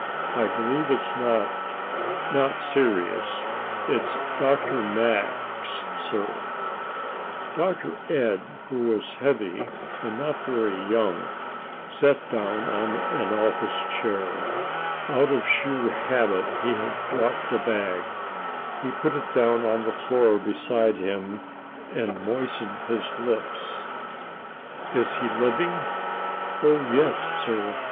I believe it's not not serious. It's Dr. Max, sir." Dr. Ed, who was heavy and not very young, sat down on an office chair. Out of sheer habit he had brought the bag. He put it down on the floor beside him, and moistened his lips. "Is he living?" "Oh, yes, sir.